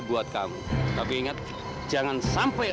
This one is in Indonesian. ayah kamu tak mati ayah